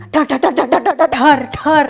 duhar duhar duhar duhar duhar duhar duhar